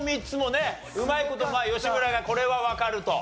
うまい事吉村がこれはわかると。